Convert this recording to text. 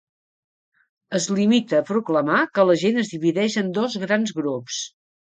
Es limita a proclamar que la gent es divideix en dos grans grups.